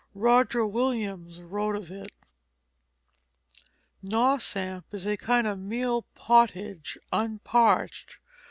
Roger Williams wrote of it: "Nawsamp is a kind of meal pottage unparched.